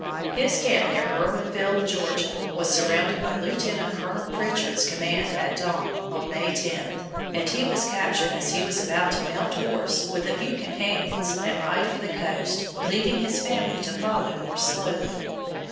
His camp near Irwinville, Georgia, was surrounded by Lieutenant Colonel Pritchard's command at dawn on May 10, and he was captured as he was about to mount horse with a few companions and ride for the coast, leaving his family to follow more slowly.